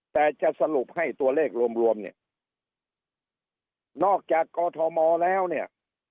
แต่จะสรุปให้ตัวเลขรวมรวมเนี่ยนอกจากกอทมแล้วเนี่ย